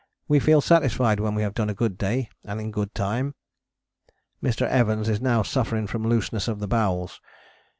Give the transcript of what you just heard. We feel satisfied when we have done a good day and in good time. Mr. Evans is now suffering from looseness of the bowels.